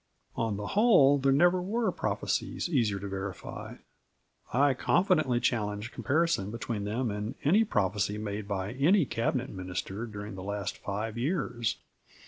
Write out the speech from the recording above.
On the whole, there never were prophecies easier to verify. I confidently challenge comparison between them and any prophecy made by any Cabinet Minister during the last five years.